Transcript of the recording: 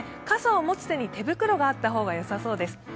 傘を持つ手に手袋があった方がよさそうです。